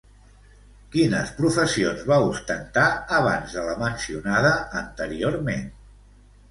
Quines professions va ostentar abans de la mencionada anteriorment?